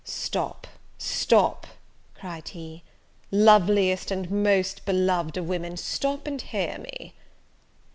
"Stop, stop," cried he, "loveliest and most beloved of women, stop and hear me!"